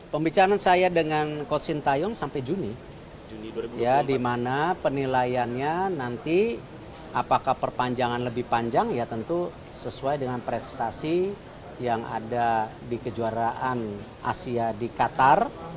pembicaraan saya dengan coach sintayong sampai juni di mana penilaiannya nanti apakah perpanjangan lebih panjang ya tentu sesuai dengan prestasi yang ada di kejuaraan asia di qatar